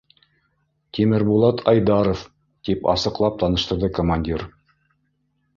— Тимербулат Айдаров, — тип асыҡлап таныштырҙы командир.